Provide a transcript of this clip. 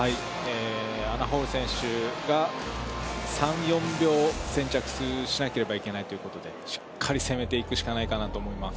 アナ・ホール選手が３４秒、先着しなければいけないということでしっかり攻めていくしかないかなと思います。